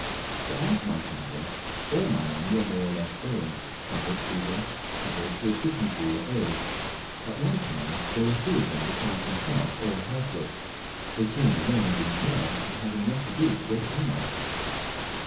To add to my troubles all my men were more or less ill, some with fever, others with dysentery or ague; at one time there were three of them besides myself all helpless, the coon alone being well, and having enough to do to wait upon us.